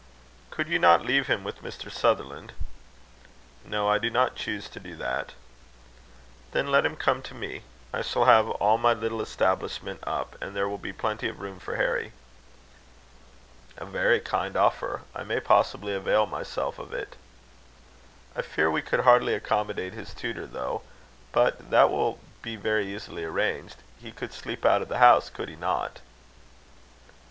"Could you not leave him with Mr. Sutherland?" "No. I do not choose to do that." "Then let him come to me. I shall have all my little establishment up, and there will be plenty of room for Harry." "A very kind offer. I may possibly avail myself of it." "I fear we could hardly accommodate his tutor, though. But that will be very easily arranged. He could sleep out of the house, could he not?"